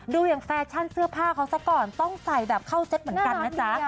ดูอย่างแฟชั่นเสื้อผ้าเขาซะก่อนต้องใส่แบบเข้าเซ็ตเหมือนกันนะจ๊ะ